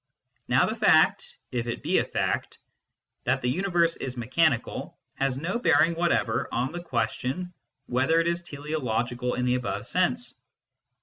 Now the fact if it be a fact that the universe is mechanical has no bearing whatever on the question whether it is teleo logical in the above sense.